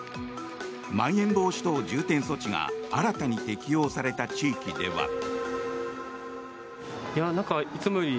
まん延防止等重点措置が新たに適用された地域では。